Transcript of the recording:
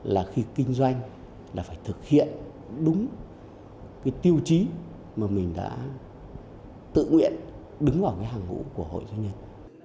là khi kinh doanh là phải thực hiện đúng cái tiêu chí mà mình đã tự nguyện đứng vào cái hàng ngũ của hội doanh nhân